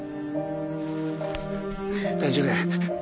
大丈夫だ。